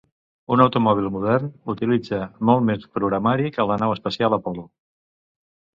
Un automòbil modern utilitza molt més "programari" que la nau espacial Apollo.